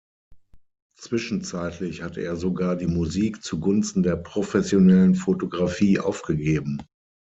Zwischenzeitlich hatte er sogar die Musik zugunsten der professionellen Fotografie aufgegeben.